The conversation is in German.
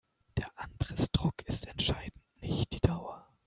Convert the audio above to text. Der Anpressdruck ist entscheidend, nicht die Dauer.